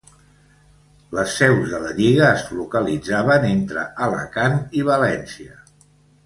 Les seus de la lliga es localitzaven entre Alacant i València.